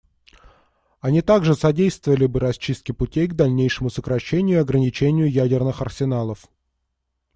Они также содействовали бы расчистке путей к дальнейшему сокращению и ограничению ядерных арсеналов.